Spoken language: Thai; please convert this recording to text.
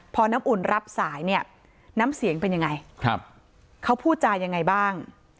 พอน้ำอุ่นรับสายเนี่ยน้ำเสียงเป็นยังไงครับเขาพูดจายังไงบ้าง